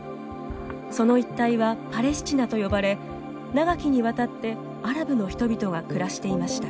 その一帯はパレスチナと呼ばれ長きにわたってアラブの人々が暮らしていました。